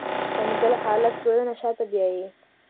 کنګل حالت ټولنه شاته بیایي